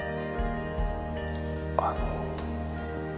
あの。